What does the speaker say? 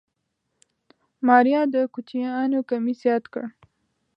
ماريا د کوچيانو کميس ياد کړ.